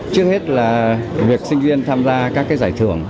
trước hết là việc sinh viên tham gia các giải thưởng